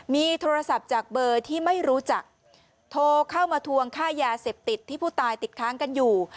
มีโทรศัพท์จากเบอร์ที่ไม่รู้จักโทรเข้ามาทวงค่ายาเสพติดที่ผู้ตายติดค้างกันอยู่